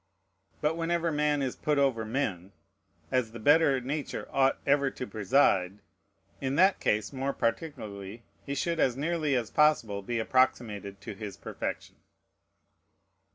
But whenever man is put over men, as the better nature ought ever to preside, in that case more particularly he should as nearly as possible be approximated to his perfection.